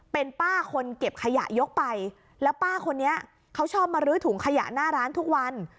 เป็นป้าคนเก็บขยะยกไปแล้วป้าคนนี้เขาชอบมาลื้อถุงขยะหน้าร้านทุกวัน